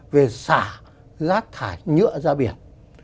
về xả rác thải nhựa ra biển